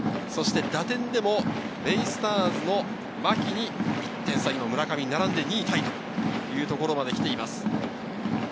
打点でもベイスターズの牧に１点差、村上と並んで２位タイというところまで来ています。